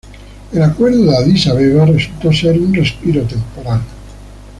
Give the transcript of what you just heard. El Acuerdo de Adís Abeba resultó ser sólo un respiro temporal.